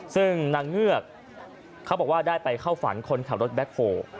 ซึ่งนางเงือกเขาบอกว่าได้ไปเข้าฝันคนขับรถแบ็คโฮ